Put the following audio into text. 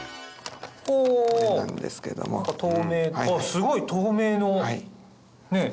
すごい透明のねぇ。